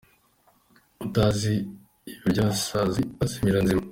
Utazi iburyasazi azimira nzima.